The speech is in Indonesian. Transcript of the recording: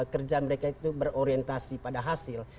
kerjaan mereka itu berorientasi pada hasil